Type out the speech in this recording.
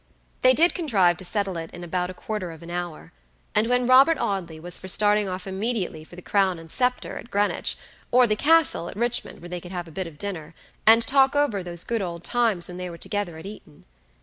They did contrive to settle it in about a quarter of an hour; and then Robert Audley was for starting off immediately for the Crown and Scepter, at Greenwich, or the Castle, at Richmond, where they could have a bit of dinner, and talk over those good old times when they were together at Eton.